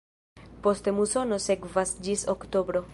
Poste musono sekvas ĝis oktobro.